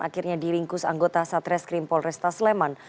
akhirnya diringkus anggota satreskrim polresta sleman